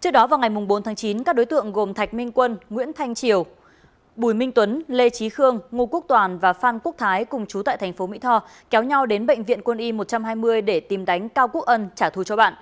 trước đó vào ngày bốn tháng chín các đối tượng gồm thạch minh quân nguyễn thanh triều bùi minh tuấn lê trí khương ngô quốc toàn và phan quốc thái cùng chú tại thành phố mỹ tho kéo nhau đến bệnh viện quân y một trăm hai mươi để tìm đánh cao quốc ân trả thù cho bạn